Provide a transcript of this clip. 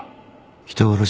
人殺し。